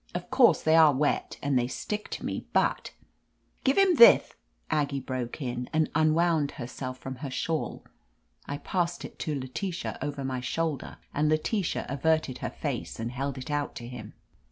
Of course, they are wet, and they stick to me, but —" "Give him thith," Aggie broke in, and un wound herself from her shawl. I passed it to Letitia over my shoulder, and Letitia averted her face and held it out to him.